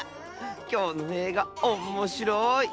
きょうのえいがおっもしろい！